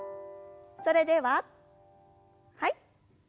それでははい。